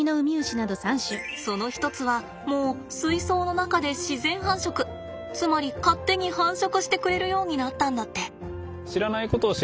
その一つはもう水槽の中で自然繁殖つまり勝手に繁殖してくれるようになったんだって。